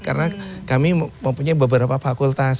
karena kami mempunyai beberapa fakultas